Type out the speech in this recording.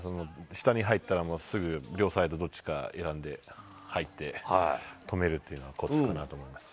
下に入ったら、もうすぐ両サイドどっちか選んで入って、止めるというのが、こつかなと思います。